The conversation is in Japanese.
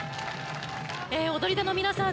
踊り手の皆さん